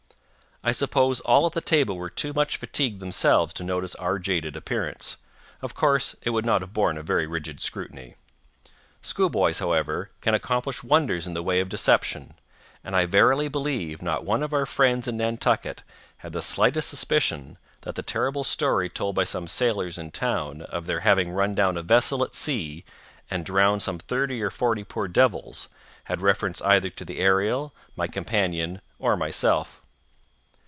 I suppose all at the table were too much fatigued themselves to notice our jaded appearance—of course, it would not have borne a very rigid scrutiny. Schoolboys, however, can accomplish wonders in the way of deception, and I verily believe not one of our friends in Nantucket had the slightest suspicion that the terrible story told by some sailors in town of their having run down a vessel at sea and drowned some thirty or forty poor devils, had reference either to the Ariel, my companion, or myself.